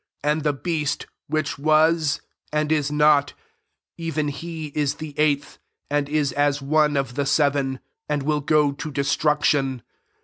1 1 And the heast, which was, and is not, even he is the eighth, and is a« 6ne of the seven, and will go to des * truction.